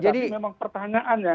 tapi memang pertanyaannya